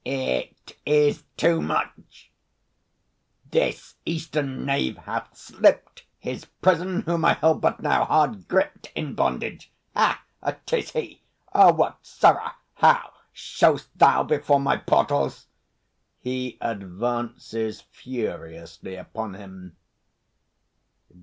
It is too much! This Eastern knave hath slipped His prison, whom I held but now, hard gripped In bondage. Ha! 'Tis he! What, sirrah, how Show'st thou before my portals? [_He advances furiously upon him.